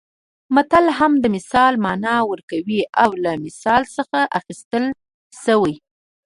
متل هم د مثال مانا ورکوي او له مثل څخه اخیستل شوی